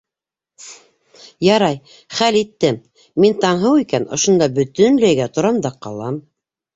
Ярай, хәл иттем: мин Таңһыу икән, ошонда бөтөнләйгә торам да ҡалам.